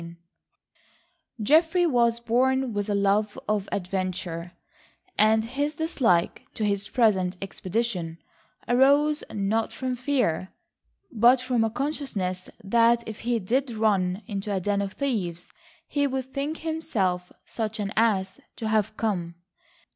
III Geoffrey was born with a love of adventure, and his dislike to his present expedition arose not from fear, but from a consciousness that if he did run into a den of thieves he would think himself such an ass to have come.